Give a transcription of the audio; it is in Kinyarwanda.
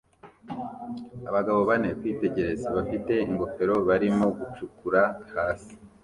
Abagabo bane (kwitegereza) bafite ingofero barimo gucukura hasi